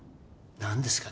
何ですか？